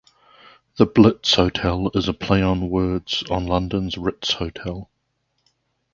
The Blitz Hotel is a play on words on London's Ritz Hotel.